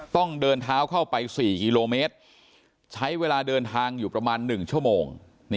ต้องเดินเท้าเข้าไป๔กิโลเมตรใช้เวลาเดินทางอยู่ประมาณ๑ชั่วโมง